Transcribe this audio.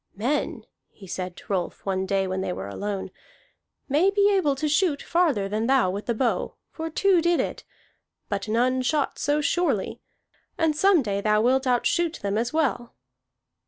"Men," said he to Rolf one day when they were alone, "may be able to shoot farther than thou with the bow, for two did it. But none shot so surely. And some day thou wilt outshoot them as well."